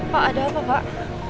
pak ada apa pak